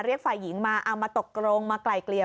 เรียกฝ่ายหญิงมาเอามาตกลงมาไกลเกลี่ย